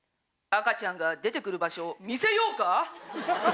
赤ちゃんが出てくる場所を見せようか？